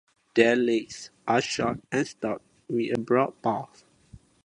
Their legs are short and stout, with broad paws.